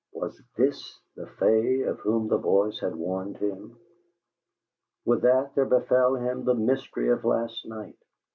Was THIS the fay of whom the voice had warned him? With that, there befell him the mystery of last night.